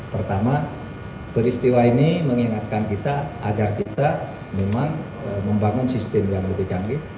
pertama peristiwa ini mengingatkan kita agar kita memang membangun sistem yang lebih canggih